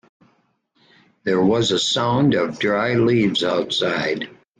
There was a sound of dry leaves outside.